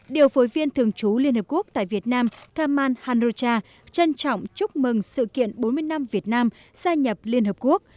điều phối viên thường trú liên hợp quốc tại việt nam kamal hanrocha trân trọng chúc mừng sự kiện bốn mươi năm việt nam gia nhập liên hợp quốc